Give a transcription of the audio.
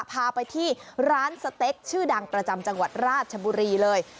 พาไปที่ร้านสเต็กชื่อดังประจำจังหวัดราชบุรีเลย